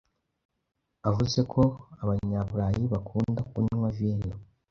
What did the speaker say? Avuze ko abanyaburayi bakunda kunywa vino.